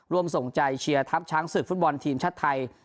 ร่วมส่งใจเชียร์ทัพช้างศึกฟุตบอลทีมชาติไทย